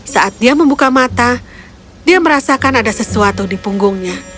saat dia membuka mata dia merasakan ada sesuatu di punggungnya